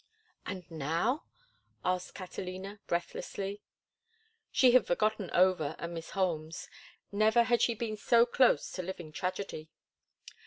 "And now?" asked Catalina, breathlessly. She had forgotten Over and Miss Holmes. Never had she been so close to living tragedy.